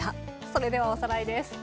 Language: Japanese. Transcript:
それではおさらいです。